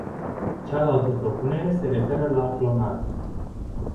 Cealaltă propunere se referă la clonare.